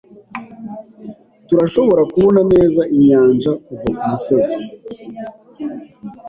Turashobora kubona neza inyanja kuva kumusozi.